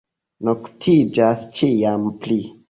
Noktiĝas ĉiam pli.